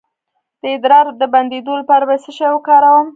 د ادرار د بندیدو لپاره باید څه شی وکاروم؟